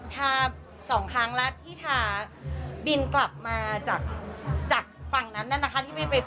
ทา๒ครั้งแล้วที่ทาบินกลับมาจากฝั่งนั้นน่ะนะคะ